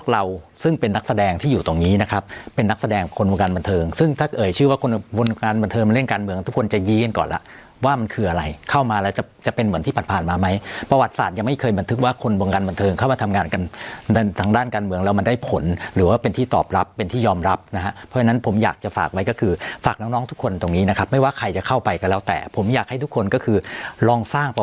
เข้ามาแล้วจะจะเป็นเหมือนที่ผ่านผ่านมาไหมประวัติศาสตร์ยังไม่เคยบันทึกว่าคนวงการบันเทิงเข้ามาทำงานกันทั้งด้านการเมืองแล้วมันได้ผลหรือว่าเป็นที่ตอบรับเป็นที่ยอมรับนะฮะเพราะฉะนั้นผมอยากจะฝากไว้ก็คือฝากน้องน้องทุกคนตรงนี้นะครับไม่ว่าใครจะเข้าไปก็แล้วแต่ผมอยากให้ทุกคนก็คือลองสร้างป